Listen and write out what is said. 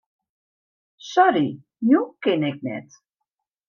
Sorry, jûn kin ik net.